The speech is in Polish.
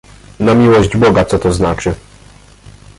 "„Na miłość Boga, co to znaczy?"